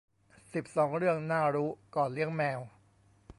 สิบสอง เรื่องน่ารู้ก่อนเลี้ยงแมว